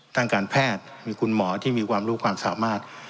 ทางการแพทย์มีคุณหมอที่มีความรู้ความสามารถ